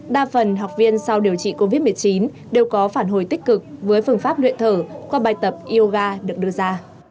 đa phần học viên sau điều trị covid một mươi chín đều có phản hồi tích cực với phương pháp luyện thở qua bài tập yoga được đưa ra